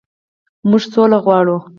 موږ سوله غواړو